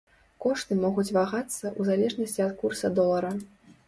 Кошты могуць вагацца ў залежнасці ад курса долара.